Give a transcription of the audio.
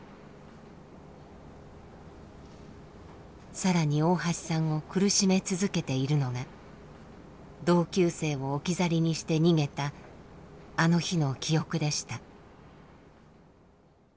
更に大橋さんを苦しめ続けているのが同級生を置き去りにして逃げたあの日の記憶でした。